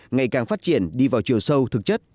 ngày càng phát triển đi vào chiều sâu thực chất